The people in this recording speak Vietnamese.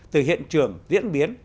từ hiện trường diễn biến